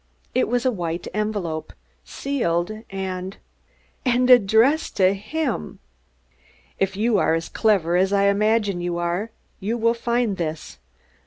It was a white envelope, sealed and and addressed to him! If you are as clever as I imagine you are, you will find this.